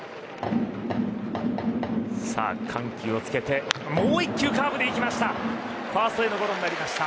さあ緩急をつけてもう１球カーブでいきました。